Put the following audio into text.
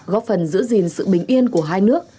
góp phần giữ gìn sự bình yên của hai nước